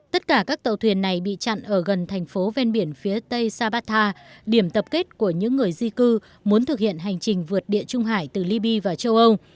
tất cả các tàu thuyền này bị chặn ở gần thành phố ven biển phía tây sabata điểm tập kết của những người di cư muốn thực hiện hành trình vượt địa trung hải từ liby và châu âu